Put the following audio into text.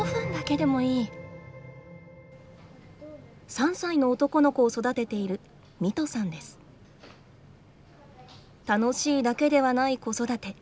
３歳の男の子を育てている楽しいだけではない子育て。